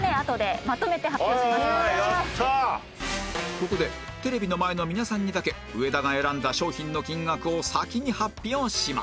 ここでテレビの前の皆さんにだけ上田が選んだ商品の金額を先に発表します